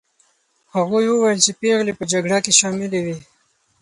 هغوی وویل چې پېغلې په جګړه کې شاملي وې.